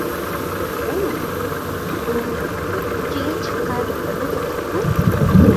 — Umi? U... u, uchiga chiqqan buzuqi-ku!